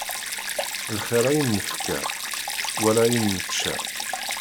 Ixir ayen nefka, wala ayen nečča.